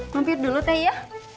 kampir dulu teh ya